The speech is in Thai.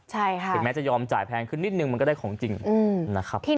ถึงแม้จะยอมจ่ายแพงขึ้นนิดนึงมันก็ได้ของจริงนะครับ